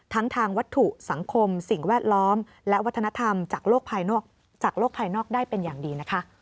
ทั้งทางวัตถุสังคมสิ่งแวดล้อมและวัฒนธรรมจากโลกภายนอกได้เป็นอย่างดีนะคะ